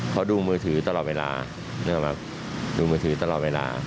เขาดูมือถือตลอดเวลา